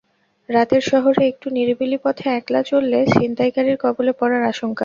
রাতের শহরে একটু নিরিবিলি পথে একলা চললে ছিনতাইকারীর কবলে পড়ার আশঙ্কা।